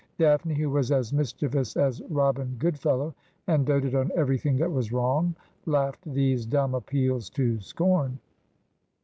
Daphne, who was as mischievous as Robin Grood fellow, and doated on everything that was wrong, laughed these dumb appeals to scorn.